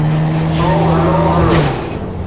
سو hello هلو.